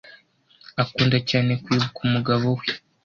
Akunda cyane kwibuka umugabo we.